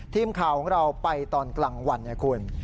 ทีมข่าวของเราไปตอนกลางวันนะคุณ